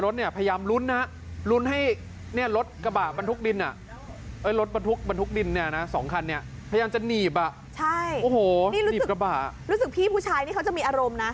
รู้สึกพี่ผู้ชายก็จะมีอารมณ์นะ